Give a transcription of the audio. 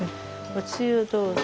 おつゆどうぞ。